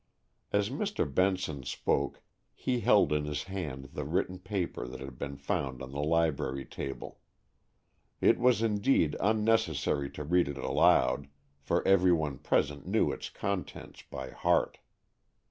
As Mr. Benson spoke, he held in his hand the written paper that had been found on the library table. It was indeed unnecessary to read it aloud, for every one present knew its contents by heart.